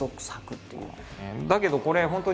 だけどこれ本当